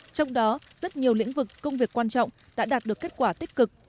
trong đó rất nhiều lĩnh vực công việc quan trọng đã đạt được kết quả tích cực